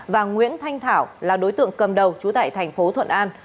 và nguyễn thanh thảo là đối tượng cầm đầu trú tại thành phố thuận an